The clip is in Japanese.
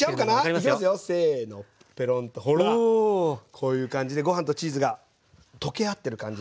こういう感じでご飯とチーズが溶け合ってる感じです。